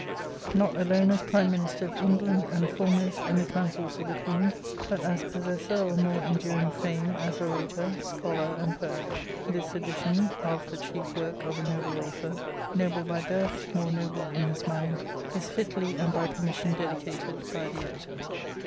G., ETC., ETC., ETC., NOT ALONE AS PRIME MINISTER OF ENGLAND AND FOREMOST IN THE COUNCILS OF THE queen; BUT AS POSSESSOR OF A MORE ENDURING FAME AS ORATOR, SCHOLAR, AND POET, THIS EDITION OP m^t €W SBSodt of a ''NoMe Sutiyor/' NOBLE BY BIRTH, MORE NOBLE IN HIS MIND, IS FITLY, AND BY PERMISSION, DEDICATED BY THE EDITOR.